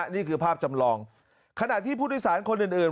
นี่คือภาพจำลองขณะที่ผู้โดยสารคนอื่น